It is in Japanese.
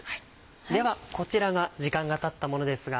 ではこちらが時間がたったものですが。